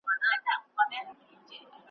څرنګه به پوه سم په خواله ددې جینۍ ,